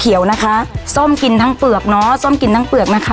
พี่มดโชนค่ะค่ะ